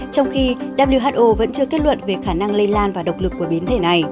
trong khi who vẫn chưa kết luận về khả năng lây lan và độc lực của biến thể này